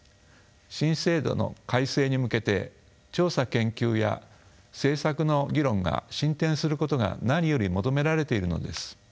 新制度の改正に向けて調査研究や政策の議論が進展することが何より求められているのです。